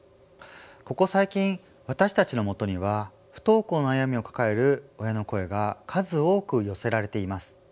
ここ最近私たちのもとには不登校の悩みを抱える親の声が数多く寄せられています。